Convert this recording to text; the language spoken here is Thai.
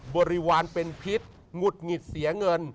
บริวารเป็นพิษหงุดหงิดเสียเงิน